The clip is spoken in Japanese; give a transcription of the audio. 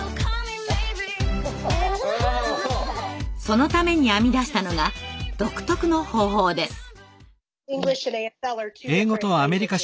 そのために編み出したのが独特の方法です。